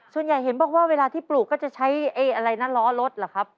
ส่วนใหญ่เห็นบอกว่าเวลาที่ปลูกก็จะใช้อะไรนะล้อรถเหรอครับ